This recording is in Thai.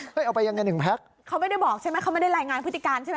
เขาไม่ได้บอกใช่ไหมเขาไม่ได้รายงานพฤติการณ์ใช่ไหม